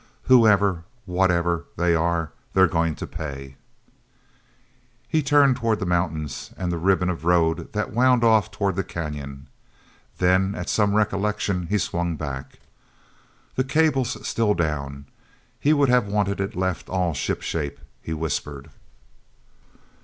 Whoever—whatever—they are, they're going to pay!" He turned away toward the mountains and the ribbon of road that wound off toward the canyon. Then, at some recollection, he swung back. "The cable's still down—he would have wanted it left all shipshape," he whispered.